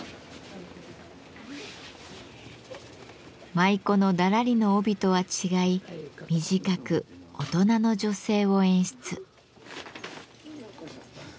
舞妓のだらりの帯とは違い短く大人の女性を演出。